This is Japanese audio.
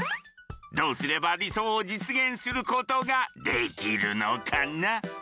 どうすれば理想を現実することができるのかな？